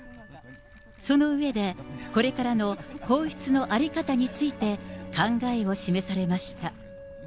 その上で、これからの皇室の在り方について、考えを示されました。